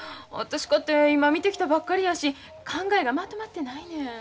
私かて今見てきたばっかりやし考えがまとまってないねん。